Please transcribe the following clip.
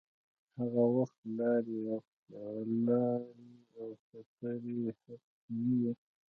هغه وخت لارې او خطرې حتمې وې.